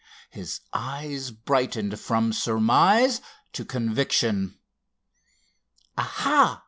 His eyes brightened from surmise to conviction. "Aha!"